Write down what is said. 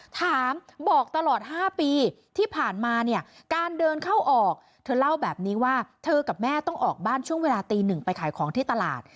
ถามบอกตลอด๕ปีที่ผ่านมาเนี่ยการเดินเข้าออกเธอเล่าแบบนี้ว่าเธอกับแม่ต้องออกบ้านช่วงเวลาตีหนึ่งไปขายของที่ตลาด